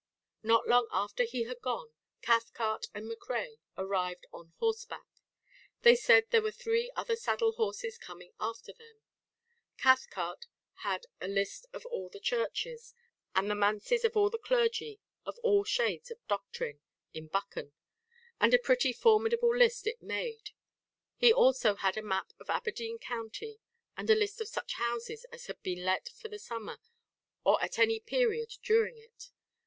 Not long after he had gone, Cathcart and MacRae arrived on horseback. They said there were three other saddle horses coming after them. Cathcart had a list of all the churches, and the manses of all the clergy of all shades of doctrine, in Buchan; and a pretty formidable list it made. He had also a map of Aberdeen County, and a list of such houses as had been let for the summer or at any period during it.